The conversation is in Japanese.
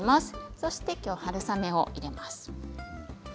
そして春雨を入れます。